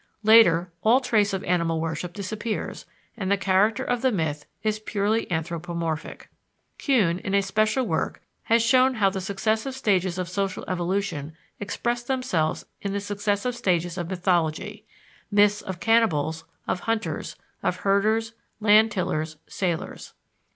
Later, all trace of animal worship disappears, and the character of the myth is purely anthropomorphic. Kühn, in a special work, has shown how the successive stages of social evolution express themselves in the successive stages of mythology myths of cannibals, of hunters, of herders, land tillers, sailors.